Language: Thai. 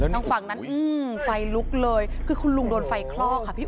ทางฝั่งนั้นไฟลุกเลยคือคุณลุงโดนไฟคลอกค่ะพี่